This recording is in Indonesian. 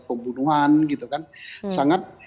pembunuhan gitu kan sangat